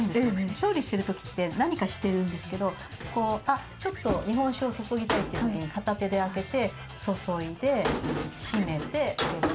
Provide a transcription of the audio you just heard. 調理してる時って何かしてるんですけどこうあっちょっと日本酒を注ぎたいっていう時に片手で開けて注いで閉めて入れとく。